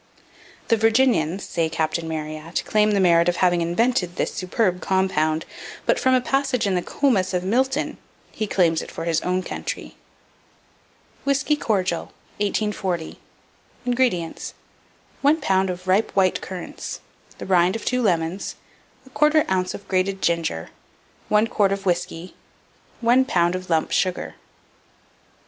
The Virginians, say Captain Marryat, claim the merit of having invented this superb compound; but, from a passage in the "Comus" of Milton, he claims it for his own country. WHISKEY CORDIAL. 1840. INGREDIENTS. 1 lb. of ripe white currants, the rind of 2 lemons, 1/4 oz. of grated ginger, 1 quart of whiskey, 1 lb. of lump sugar.